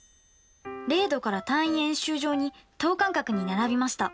０°から単位円周上に等間隔に並びました。